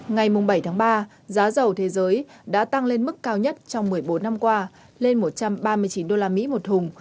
ngày bảy tháng ba giá dầu thế giới đã tăng lên mức cao nhất trong một mươi bốn năm qua lên một trăm ba mươi chín usd một thùng